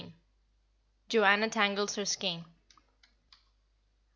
JOANNA TANGLES HER SKEIN.